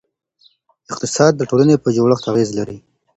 اقتصاد د ټولنې په جوړښت اغېزه لري.